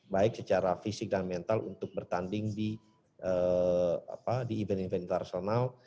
baik secara fisik dan mental untuk bertanding di event event internasional